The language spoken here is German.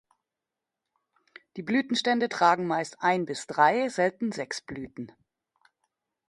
Die Blütenstände tragen meist ein bis drei, selten sechs Blüten.